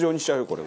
これ。